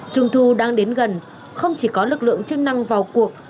trung thu đang đến gần không chỉ có lực lượng chức năng vào cuộc